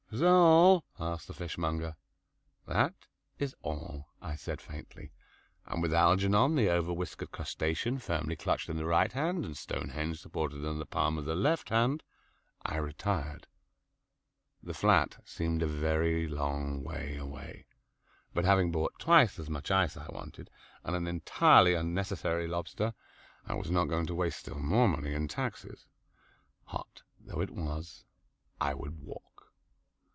"Is that all?" asked the fishmonger. "That is all," I said faintly; and, with Algernon, the overwhiskered crustacean, firmly clutched in the right hand and Stonehenge supported on the palm of the left hand, I retired. The flat seemed a very long way away, but having bought twice as much ice as I wanted, and an entirely unnecessary lobster, I was not going to waste still more money in taxis. Hot though it was, I would walk.